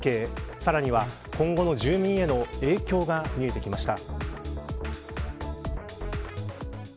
さらには、今後の住民への影響が見えてきました。